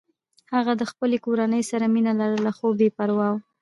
هغه د خپلې کورنۍ سره مینه لرله خو بې پروا و